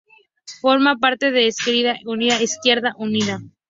Forma parte de Esquerda Unida-Izquierda Unida.